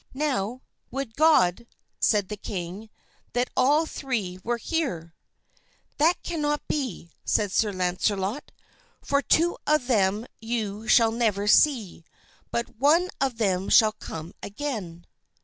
"Now, would God," said the king, "that all three were here." "That cannot be," said Sir Launcelot, "for two of them you shall never see, but one of them shall come again."